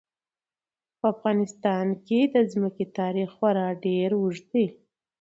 په افغانستان کې د ځمکه تاریخ خورا ډېر اوږد دی.